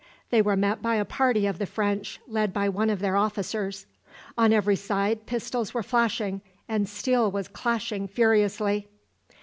They were met by a party of the French, led by one of their officers. On every side pistols were flashing and steel was clashing furiously.